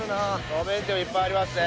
路面店もいっぱいありますね。